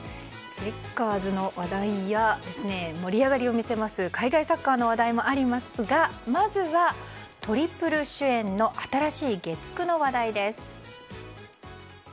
チェッカーズの話題や盛り上がりを見せます海外サッカーの話題もありますがまずは、トリプル主演の新しい月９の話題です。